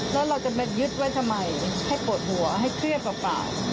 แล้วเราจะมายึดไว้ทำไมให้ปวดหัวให้เครียดเปล่า